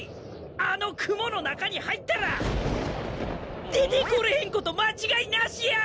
あの雲の中に入ったら出てこれへんこと間違いなしや！